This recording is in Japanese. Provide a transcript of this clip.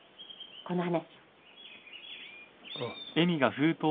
この話。